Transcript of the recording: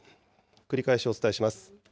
繰り返しお伝えします。